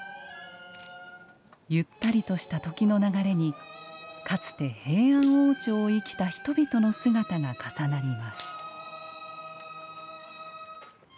ゆったりとした時の流れにかつて平安王朝を生きた人々の姿が重なります。